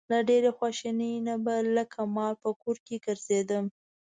له ډېرې خواشینۍ نه به لکه مار په کور کې ګرځېدم.